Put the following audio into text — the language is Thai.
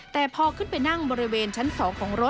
แต่พอขึ้นไปนั่งบริเวณชั้น๒ของรถ